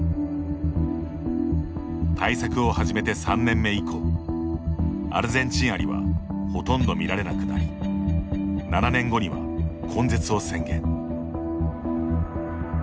対策を始めて３年目以降アルゼンチンアリはほとんど見られなくなり７年後には、根絶を宣言。